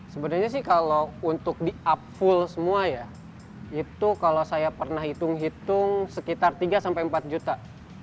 sebenarnya sih kalau untuk di upful semua ya itu kalau saya pernah hitung hitung sekitar tiga sampai empat juta